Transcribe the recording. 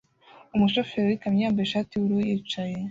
Umushoferi w'ikamyo yambaye ishati yubururu yicaye